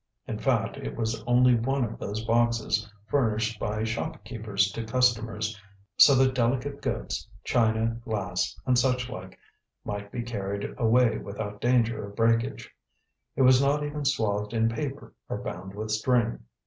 In fact, it was only one of those boxes furnished by shopkeepers to customers, so that delicate goods china, glass, and such like might be carried away without danger of breakage; it was not even swathed in paper or bound with string.